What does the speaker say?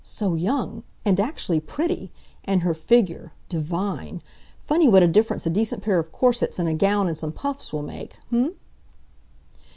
So young! And actually pretty! And her figure divine! Funny what a difference a decent pair of corsets, and a gown, and some puffs will make, h'm?"